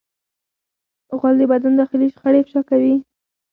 غول د بدن داخلي شخړې افشا کوي.